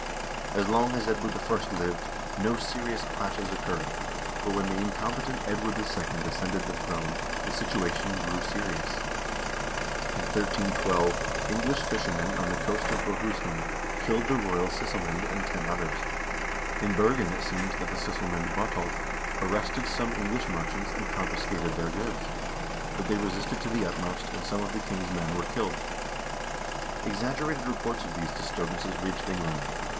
As long as Edward I. lived, no serious clashes occurred, but when the incompetent Edward II. ascended the throne, the situation grew serious. In 1312 English fishermen on the coast of Bohuslen killed THE CHANGE OF NORWAY'S FOREIGN POLICY 487 the royal sysselmand and ten others. In Bergen it seems that the sysselniand, Bottolf, arrested some English merchants and confiscated their goods, but they resisted to the utmost, and some of the king's men were killed. Exaggerated reports of these disturbances reached England.